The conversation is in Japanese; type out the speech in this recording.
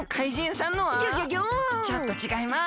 ちょっとちがいます！